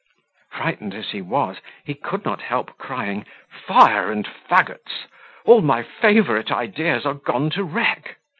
Frightened as he was, he could not help crying "Fire and fagots! all my favourite ideas are gone to wreck!"